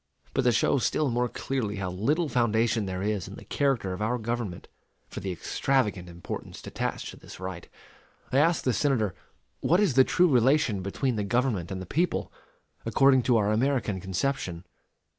But to show still more clearly how little foundation there is in the character of our government for the extravagant importance attached to this right, I ask the Senator what is the true relation between the government and the people, according to our American conception?